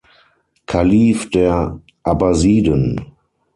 Kalif der Abbasiden.